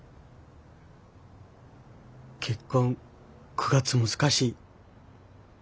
結婚９月難しい。